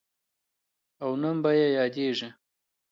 او نوم به یې یادیږي.